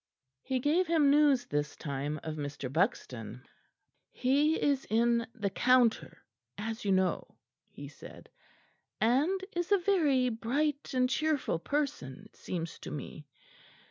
He gave him news this time of Mr. Buxton. "He is in the Counter, as you know," he said, "and is a very bright and cheerful person, it seems to me.